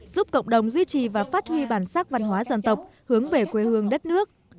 giúp cộng đồng duy trì và phát huy bản sắc văn hóa dân tộc hướng về quê hương đất nước